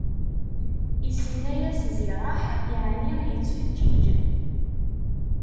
Isemma-yas Ziraḥ, yeɛni yettfeǧǧiǧ.